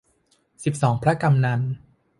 สิบสองพระกำนัล